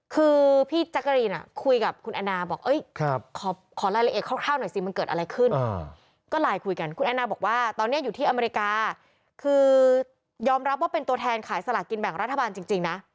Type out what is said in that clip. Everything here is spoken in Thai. คือพี่แจ๊กกะรีนคุยกับคุณแอนนาบอกขอรายละเอียดคร่าวหน่อยสิมันเกิดอะไรขึ้นก็ไลน์คุยกันคุณแอนนาบอกว่าตอนนี้อยู่ที่อเมริกาคือยอมรับว่าเป็นตัวแทนขายสลากกินแบ่งรัฐบาลจริงนะ